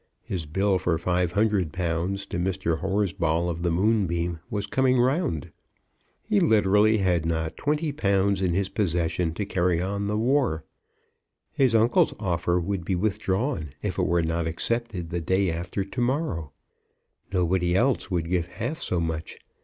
His bill for £500 to Mr. Horsball of the Moonbeam was coming round. He literally had not £20 in his possession to carry on the war. His uncle's offer would be withdrawn if it were not accepted the day after to morrow. Nobody else would give half so much.